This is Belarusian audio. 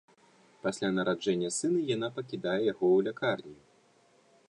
Пасля нараджэння сына яна пакідае яго ў лякарні.